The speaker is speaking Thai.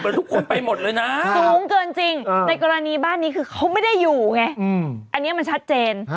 ทุกคนไปหมดเลยนะสูงเกินจริงในกรณีบ้านนี้คือเขาไม่ได้อยู่ไงอันนี้มันชัดเจน